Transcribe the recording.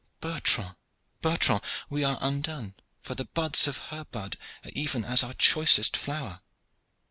Bertrand, Bertrand! we are undone for the buds of her bud are even as our choicest flower!"